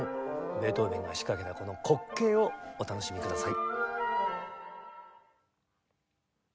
ベートーヴェンが仕掛けたこの滑稽をお楽しみください。